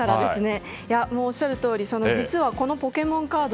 おっしゃる通り、実はこのポケモンカード